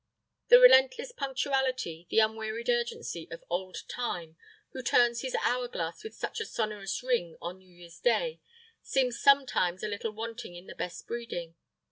The relentless punctuality, the unwearied urgency, of old Time, who turns his hour glass with such a sonorous ring on New Year's Day, seems sometimes a little wanting in the best breeding.